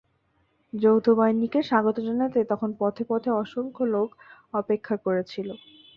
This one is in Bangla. যৌথ বাহিনীকে স্বাগত জানাতে তখন পথে পথে অসংখ্য লোক অপেক্ষা করছিল।